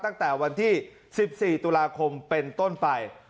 ตั้งแต่วันที่๑๔ตุลาคมเป็นต้นไป